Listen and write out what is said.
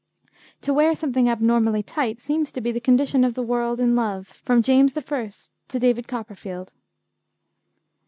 To wear something abnormally tight seems to be the condition of the world in love, from James I. to David Copperfield.